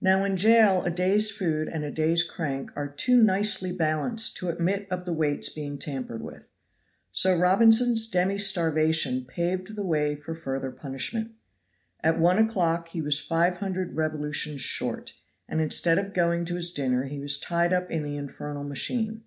Now in jail a day's food and a day's crank are too nicely balanced to admit of the weights being tampered with. So Robinson's demi starvation paved the way for further punishment. At one o'clock he was five hundred revolutions short, and instead of going to his dinner he was tied up in the infernal machine.